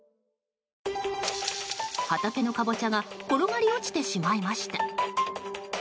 畑のカボチャが転がり落ちてしまいました。